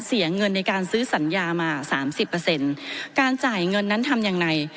เสียเงินในการซื้อสัญญามา๓๐การจ่ายเงินนั้นทำอย่างไร